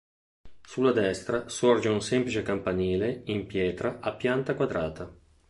Sulla destra sorge un semplice campanile in pietra a pianta quadrata.